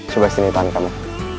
coba sini tahan kamu